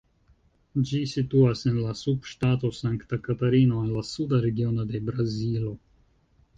Ĝi situas en la subŝtato Sankta Katarino, en la suda regiono de Brazilo.